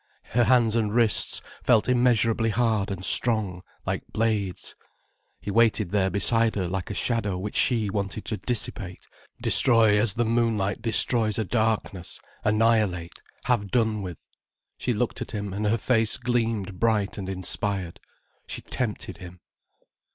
Her hands and wrists felt immeasurably hard and strong, like blades. He waited there beside her like a shadow which she wanted to dissipate, destroy as the moonlight destroys a darkness, annihilate, have done with. She looked at him and her face gleamed bright and inspired. She tempted him.